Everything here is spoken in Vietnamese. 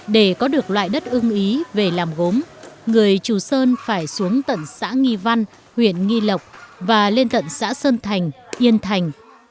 để có được loại đất ưng ý về làm gốm người trù sơn phải xuống tận xã nghi văn huyện nghi lộc và lên tận xã sơn thành yên thành